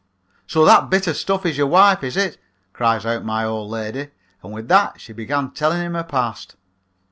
"'So that bit of stuff is your wife, is it?' cries out my old lady, and with that she began telling him her past.